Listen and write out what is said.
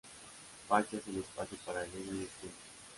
Pacha es el espacio paralelo y el tiempo.